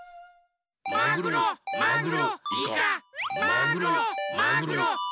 マグロマグロイカマグロマグロイカマグロ。